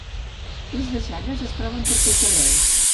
Les deixalles es troben per tot arreu.